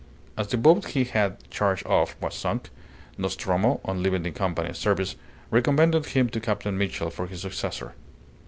As the boat he had charge of was sunk, Nostromo, on leaving the Company's service, recommended him to Captain Mitchell for his successor.